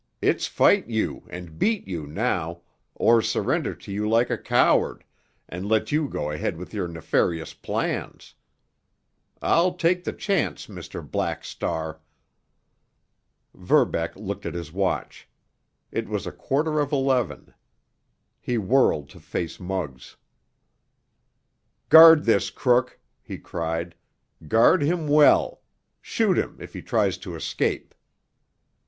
It's fight you and beat you now, or surrender to you like a coward, and let you go ahead with your nefarious plans. I'll take the chance, Mr. Black Star!" Verbeck looked at his watch; it was a quarter of eleven. He whirled to face Muggs. "Guard this crook!" he cried. "Guard him well. Shoot him if he tries to escape!"